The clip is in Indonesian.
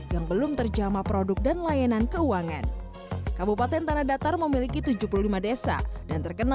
yang belum terjama produk dan layanan keuangan kabupaten tanah datar memiliki tujuh puluh lima desa dan terkena